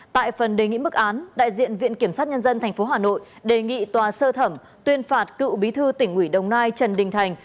tại phần đề nghị mức án đại diện viện kiểm sát nhân dân tp hà nội đề nghị tòa sơ thẩm tuyên phạt cựu bí thư tỉnh ủy đồng nai trần đình thành